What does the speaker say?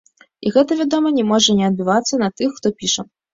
І гэта, вядома, не можа не адбівацца на тых, хто піша.